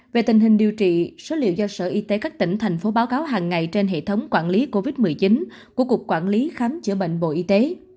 về tình hình điều trị số liệu do sở y tế các tỉnh thành phố báo cáo hàng ngày trên hệ thống quản lý covid một mươi chín của cục quản lý khám chữa bệnh bộ y tế